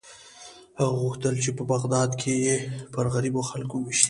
هغې غوښتل چې په بغداد کې یې پر غریبو خلکو ووېشي.